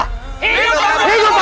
hidup prabu rangabwana